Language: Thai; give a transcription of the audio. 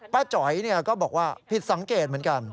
ป้าจ๋อยเนี่ยก็บอกว่าผิดสังเกตเหมือนกัน